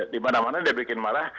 di mana mana dia bikin marah